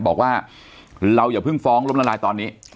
บอกว่าเราอย่าเพิ่งฟ้องล้มละลายตอนนี้